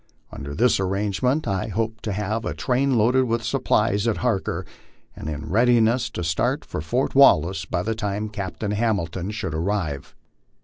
Under this arrange ment I hoped to have a train loaded with supplies at Harker, and in readiness to start for Fort Wallace, by the time Captain Hamilton should arrive.